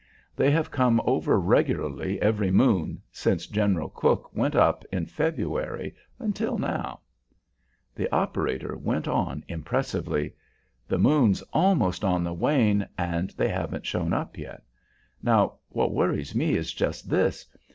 They have come over regularly every moon, since General Crook went up in February, until now." The operator went on impressively: "The moon's almost on the wane, and they haven't shown up yet. Now, what worries me is just this.